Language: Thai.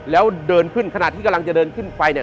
แล้วเดินขึ้นขณะที่กำลังจะเดินขึ้นไปเนี่ย